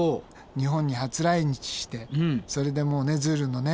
日本に初来日してそれでもうねズールのね